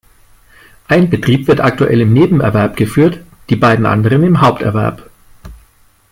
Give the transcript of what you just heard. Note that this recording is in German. Ein Betrieb wird aktuell im Nebenerwerb geführt, die beiden anderen im Haupterwerb.